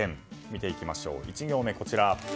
見ていきましょう１行目。